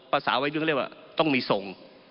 ภาษาไว้เรียกว่าต้องมีทรง